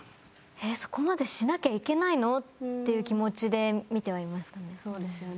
そこまでしなきゃいけないの？っていう気持ちで見てはいましたね。